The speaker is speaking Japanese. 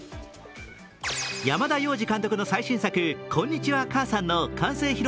山田洋次監督の最新作「こんにちは、母さん」の完成披露